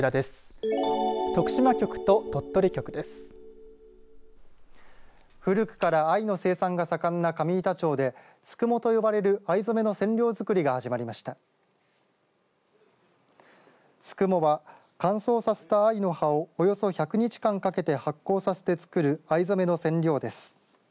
すくもは、乾燥させた藍の葉を、およそ１００日間かけて発酵させて作る藍染めの染料です。